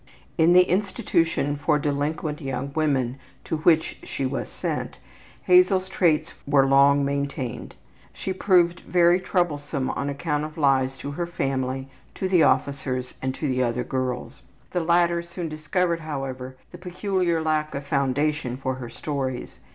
In the institution for delinquent young women to which she was sent Hazel's traits were long maintained. She proved very troublesome on account of lies to her family, to the officers, and to the other girls. The latter soon discovered, however, the peculiar lack of foundation for her stories.